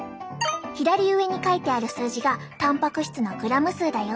左上に書いてある数字がたんぱく質のグラム数だよ！